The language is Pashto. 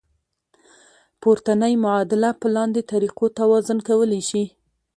پورتنۍ معادله په لاندې طریقو توازن کولی شئ.